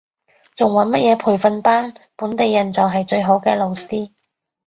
仲揾乜嘢培訓班，本地人就係最好嘅老師